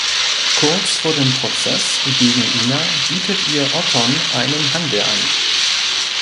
Kurz vor dem Prozess gegen Ina bietet ihr Othon einen Handel an.